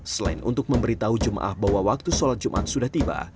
selain untuk memberitahu jemaah bahwa waktu sholat jumat sudah tiba